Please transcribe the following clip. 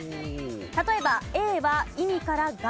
例えばＡは意味からがんたん。